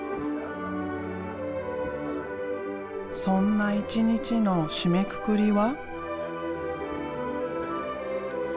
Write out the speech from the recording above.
そんな一日の締めくくりは。